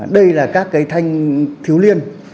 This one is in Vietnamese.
đây là các thanh thiếu liên